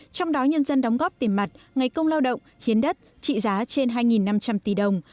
trong đó nhân dân đóng góp tiền mặt ngày công lao động hiến đất trị giá trên hai năm trăm linh tỷ đồng